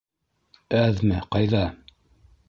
— Әҙме ҡайҙа?